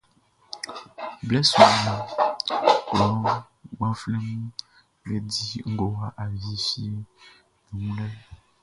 Blɛ sunman nunʼn, klɔ bakannganʼm be di ngowa awie fieʼm be wun lɛ.